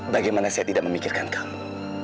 bagaimana saya tidak memikirkan kamu